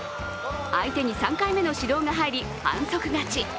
相手に３回目の指導が入り、反則勝ち。